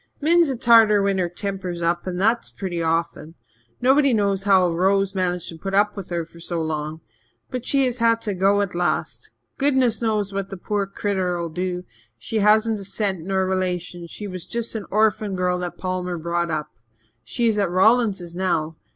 Min's a Tartar when her temper's up and that's pretty often. Nobody knows how Rose managed to put up with her so long. But she has had to go at last. Goodness knows what the poor critter'll do. She hasn't a cent nor a relation she was just an orphan girl that Palmer brought up. She is at Rawlingses now.